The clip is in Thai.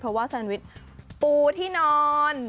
เพราะว่าแซนวิชปูที่นอน